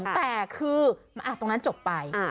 แต่คือตรงนั้นจบไป